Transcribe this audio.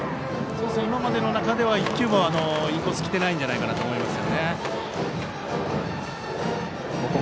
今までの中では１球もインコースに来ていないんじゃないかなと思います。